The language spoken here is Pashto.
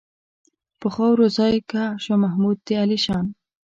په خاورو ځای کا شاه محمود د عالیشان.